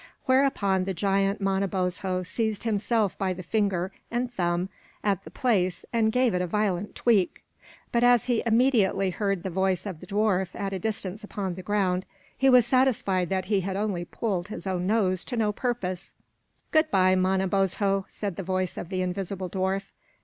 Whereupon the giant Manabozho seized himself by the finger and thumb at the place, and gave it a violent tweak; but as he immediately heard the voice of the dwarf at a distance upon the ground, he was satisfied that he had only pulled his own nose to no purpose. "Good bye, Manabozho," said the voice of the invisible dwarf.